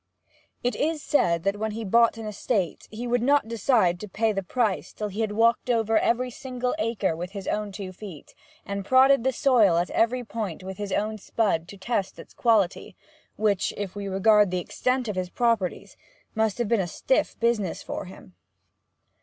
It is said that when he bought an estate he would not decide to pay the price till he had walked over every single acre with his own two feet, and prodded the soil at every point with his own spud, to test its quality, which, if we regard the extent of his properties, must have been a stiff business for him.